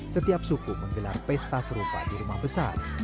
setiap suku menggelar pesta serupa di rumah besar